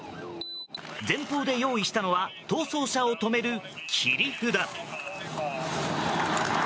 前方で用意したのは逃走車を止める切り札。